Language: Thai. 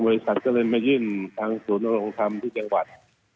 บริษัทก็เลยมายื่นทางศูนย์โรงคำที่แก่งหวัด